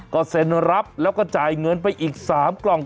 ก็เซ็นรับแล้วก็จ่ายเงินไปอีก๓กล่อง